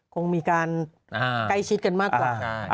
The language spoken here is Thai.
คงมีการใกล้ชิดกันมากกว่า